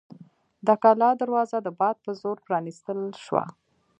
د کلا دروازه د باد په زور پرانیستل شوه.